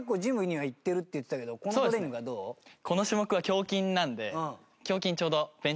この種目は胸筋なんで。